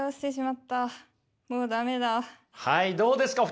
はいどうですか？